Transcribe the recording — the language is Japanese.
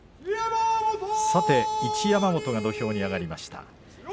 さて一山本が土俵に上がりました。